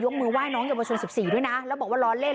ยกมือไหว้น้องอย่างประชุนสิบสี่ด้วยนะแล้วบอกว่าล้อเล่น